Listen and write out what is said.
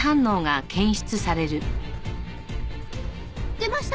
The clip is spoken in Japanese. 出ました！